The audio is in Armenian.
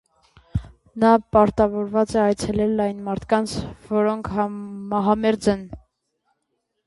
Նա պարտավորված է այցելել այն մարդկանց, որոնք մահամերձ են։